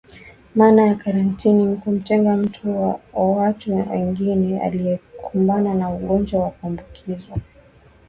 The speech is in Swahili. Maana ya karatinti ni kumtenga mtu na watu wengine aliyekumbana na ugonjwa wa kuambukizwa